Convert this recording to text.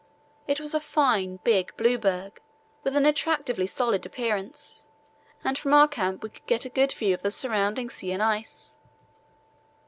It was a fine, big, blue berg with an attractively solid appearance, and from our camp we could get a good view of the surrounding sea and ice.